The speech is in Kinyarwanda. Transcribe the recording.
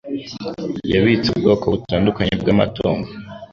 Yabitse ubwoko butandukanye bw'amatungo